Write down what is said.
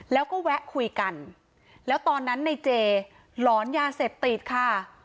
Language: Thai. แล้วก็แวะคุยกันแล้วตอนนั้นในเจหลอนยาเสพติดค่ะ